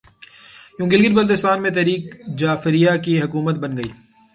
یوں گلگت بلتستان میں تحریک جعفریہ کی حکومت بن گئی